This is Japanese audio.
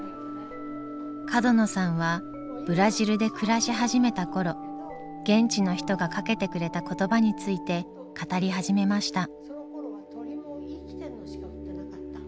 角野さんはブラジルで暮らし始めた頃現地の人がかけてくれた言葉について語り始めました。